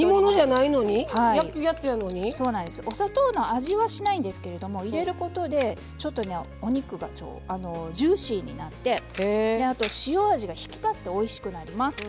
お砂糖の味はしないんですけれど入れることでちょっとお肉がジューシーになってあと塩味が引き立っておいしくなります。